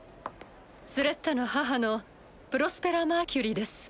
スレッタの母のプロスペラ・マーキュリーです。